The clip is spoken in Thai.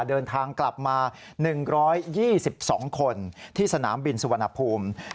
เดินทางกลับมา๑๒๒คนที่สนามบินสุวรรณภูมิ